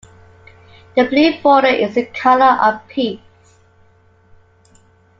The blue border is the colour of peace.